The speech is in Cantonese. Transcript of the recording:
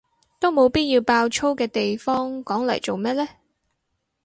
都冇必要爆粗嘅地方講嚟做咩呢？